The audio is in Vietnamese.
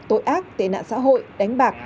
tội ác tệ nạn xã hội đánh bạc